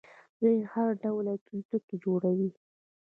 دوی هر ډول الوتکې جوړوي.